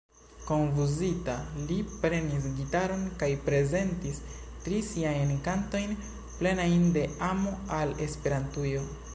Konfuzita, li prenis gitaron kaj prezentis tri siajn kantojn plenajn de amo al Esperantujo.